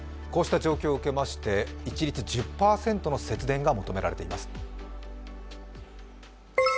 こうした状況を受けまして一律１０％の節電が求められています。